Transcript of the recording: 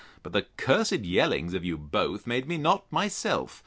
But the cursed yellings of you both made me not myself.